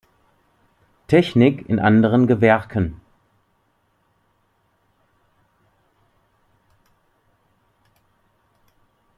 Technik in anderen Gewerken.